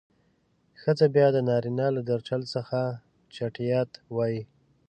ښځه بيا د نارينه له درشل څخه چټيات وايي.